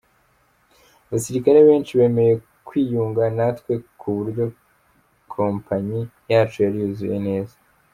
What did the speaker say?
Abasirikare benshi bemeye kwiyunga natwe ku buryo compagnie yacu yari yuzuye neza.